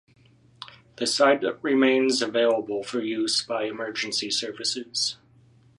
The site remains available for use by emergency services.